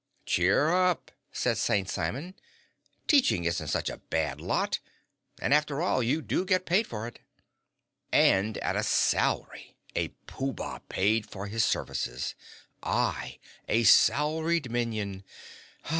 "Cheer up," said St. Simon. "Teaching isn't such a bad lot. And, after all, you do get paid for it." "And at a salary! A Pooh Bah paid for his services! I a salaried minion!